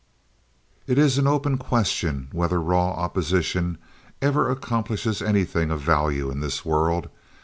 It is an open question whether raw opposition ever accomplishes anything of value in this world.